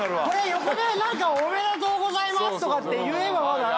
横でおめでとうございますとかって言えばまだ何かね。